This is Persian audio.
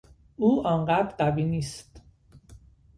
او آنقدر قوی نیست.